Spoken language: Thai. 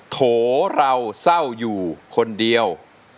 โถเราเศร้าอยู่คนเดียว